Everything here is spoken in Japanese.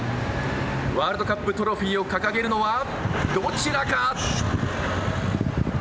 ワールドカップトロフィーを掲げるのはどちらか？